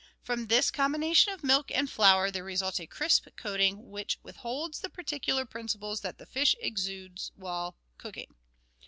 From this combination of milk and flour there results a crisp coating which withholds those particular principles that the fish exude while cooking.